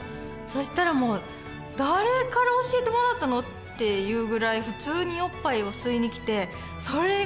そしたらもう誰から教えてもらったのっていうぐらい普通におっぱいを吸いに来てそれがすごいなって思いました。